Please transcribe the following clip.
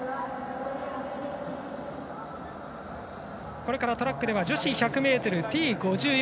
これからトラックでは女子１００ｍＴ５４